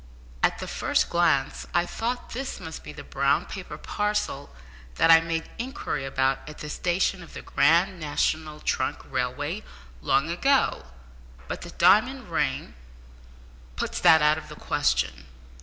"At the first glance I thought that this must be the brown paper parcel that I made inquiry about at the station of the Grand National Trunk Railway long ago, but the diamond ring puts that out of the question.